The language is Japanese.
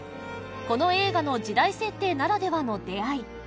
この映画の時代設定ならではの出会い